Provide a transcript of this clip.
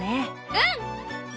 うん！